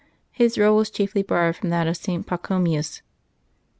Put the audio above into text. His rule was chiefly borrowed from that of St. Pachomius.